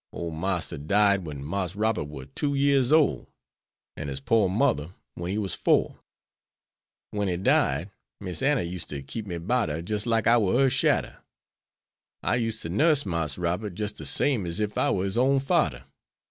Ole Marster died when Marse Robert war two years ole, and his pore mother when he war four. When he died, Miss Anna used to keep me 'bout her jes' like I war her shadder. I used to nuss Marse Robert jes' de same as ef I were his own fadder.